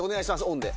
オンで。